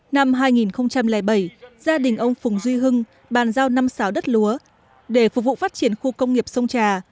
năm hai nghìn bảy gia đình ông phùng duy hưng bàn giao năm xáo đất lúa để phục vụ phát triển khu công nghiệp sông trà